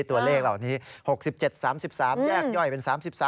ตัวเลขเหล่านี้๖๗๓๓แยกย่อยเป็น๓๓